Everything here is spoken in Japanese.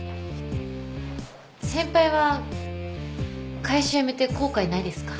先輩は会社辞めて後悔ないですか？